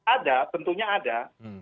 ada tentunya ada